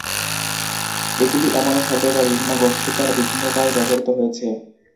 এগুলি এমন শব্দ যা বিভিন্ন গোষ্ঠীর দ্বারা বিভিন্ন উপায়ে ব্যবহৃত হয়েছে।